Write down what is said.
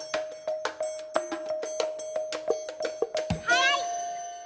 はい！